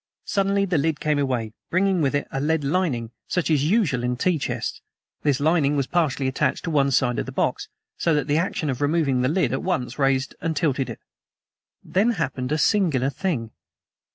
Suddenly the lid came away, bringing with it a lead lining, such as is usual in tea chests. This lining was partially attached to one side of the box, so that the action of removing the lid at once raised and tilted it. Then happened a singular thing.